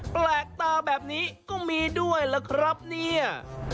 แปลกตาแบบนี้ก็มีด้วยล่ะครับเนี่ย